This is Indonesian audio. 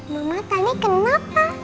mama tadi kenapa